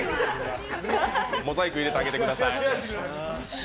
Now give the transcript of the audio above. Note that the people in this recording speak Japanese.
モザイク入れてあげてください。